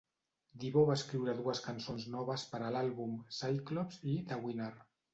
Devo va escriure dues cançons noves per a l'àlbum, "Cyclops" i "The Winner".